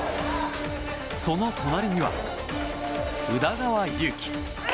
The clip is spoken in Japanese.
その隣には宇田川優希。